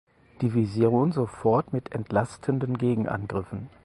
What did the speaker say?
Division sofort mit entlastenden Gegenangriffen.